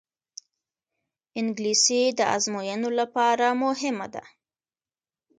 انګلیسي د ازموینو لپاره مهمه ده